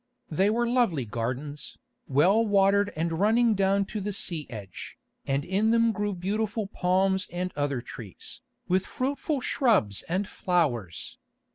They were lovely gardens, well watered and running down to the sea edge, and in them grew beautiful palms and other trees, with fruitful shrubs and flowers.